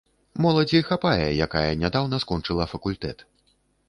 Моладзі хапае, якая нядаўна скончыла факультэт.